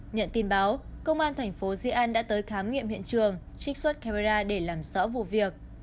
nhận tin báo công an thành phố di an đã tới khám nghiệm hiện trường trích xuất camera để làm rõ vụ việc